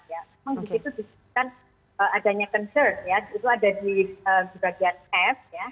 memang di situ disediakan adanya concern itu ada di bagian f